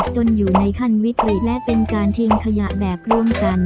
อยู่ในขั้นวิกฤตและเป็นการทิ้งขยะแบบร่วมกัน